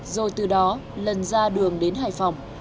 rồi từ đó lần ra đường đến hải phòng